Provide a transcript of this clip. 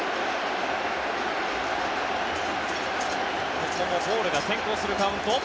ここもボールが先行するカウント。